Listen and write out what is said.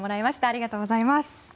ありがとうございます。